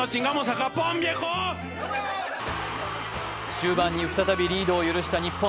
終盤に再びリードを許した日本。